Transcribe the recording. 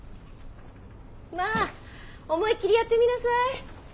まあ思いっきりやってみなさい。